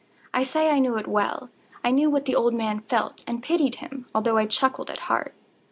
I say I knew it well. I knew what the old man felt, and pitied him, although I chuckled at heart.